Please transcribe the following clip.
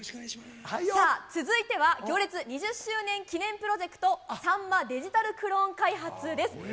さあ、続いては、行列２０周年記念プロジェクト、さんまデジタルクローン開発です。